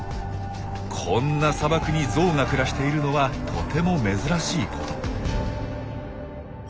こんな砂漠にゾウが暮らしているのはとても珍しいこと。